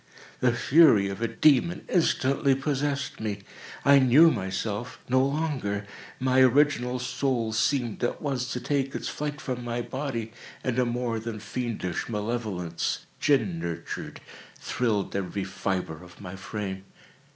The fury of a demon instantly possessed me. I knew myself no longer. My original soul seemed, at once, to take its flight from my body and a more than fiendish malevolence, gin nurtured, thrilled every fibre of my frame.